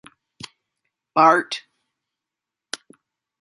Bart.